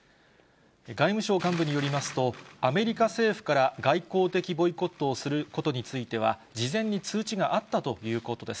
外務省幹部によりますと、アメリカ政府から外交的ボイコットをすることについては、事前に通知があったということです。